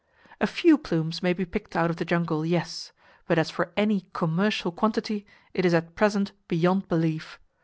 A few plumes may be picked out of the jungle, yes; but as for any commercial quantity, it is at present beyond belief.